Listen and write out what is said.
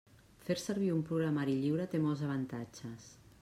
Fer servir programari lliure té molts avantatges.